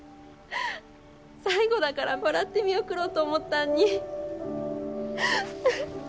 最後だから笑って見送ろうと思ったんに。